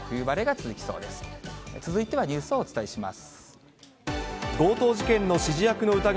続いてはニュースをお伝えします。